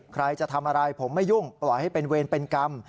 ใครจะทำอะไรผมไม่ยุ่งปล่อยให้เป็นเวรเป็นกรรม